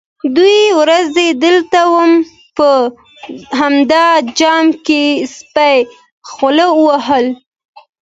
_دوې ورځې دلته وم، په همدې جام کې سپي خوله وهله.